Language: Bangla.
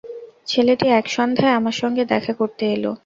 ছেলেটি এক সন্ধ্যায় আমার সঙ্গে দেখা করতে এল।